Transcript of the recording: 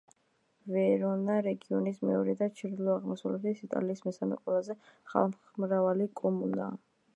ვერონა რეგიონის მეორე და ჩრდილო-აღმოსავლეთ იტალიის მესამე ყველაზე ხალხმრავალი კომუნაა.